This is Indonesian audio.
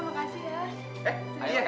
makan yang banyak